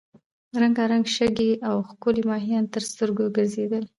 رنګارنګ شګې او ښکلي ماهیان تر سترګو ګرځېدل.